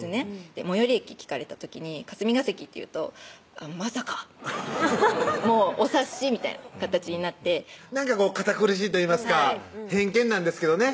最寄り駅聞かれた時に「霞ケ関」って言うと「まさか」みたいなもうお察しみたいな形になってなんかこう堅苦しいといいますか偏見なんですけどね